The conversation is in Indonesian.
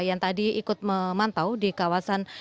yang tadi ikut memantau di kawasan